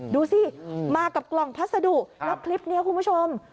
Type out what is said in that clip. ดูสิมากับกล่องพัสดุแล้วคลิปนี้คุณผู้ชม